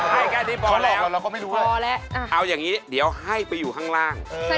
ให้กันนี่พอแล้วพอแล้วเอาอย่างนี้เดี๋ยวให้ไปอยู่ข้างล่างเออ